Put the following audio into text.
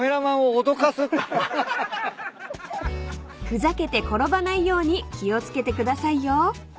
［ふざけて転ばないように気を付けてくださいよ］